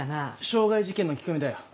傷害事件の聞き込みだよ